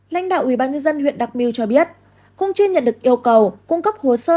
lãnh đạo ủy ban nhân dân huyện đắk miu cho biết cũng chưa nhận được yêu cầu cung cấp hồ sơ